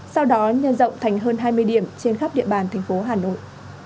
sau đó nhân rộng thành hơn hai mươi điểm trên khắp địa bàn thành phố hà nội